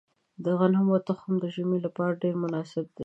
د غنمو تخم د ژمي لپاره ډیر مناسب دی.